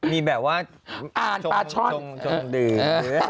มีแบบว่าอ่านปลาช่อนชมดื่ม